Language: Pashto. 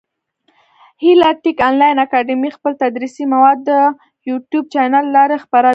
هیله ټېک انلاین اکاډمي خپل تدریسي مواد د يوټیوب چېنل له لاري خپره وي.